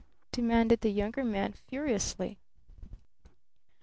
demanded the Younger Man furiously.